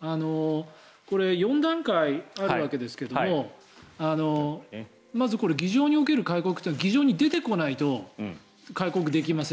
これ、４段階あるわけですがまず議場における戒告というのは議場に出てこないと戒告できません。